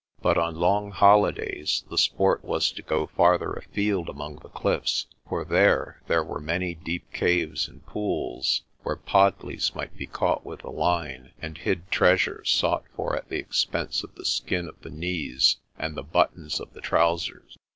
But on long holidays the sport was to go farther afield among the cliff sj for there there were many deep caves and pools, where podleys might be caught with the line, and hid treasures sought for at the expense of the skin of the knees and the buttons of the trousers.